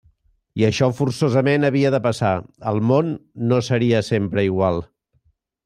I això forçosament havia de passar: el món no seria sempre igual.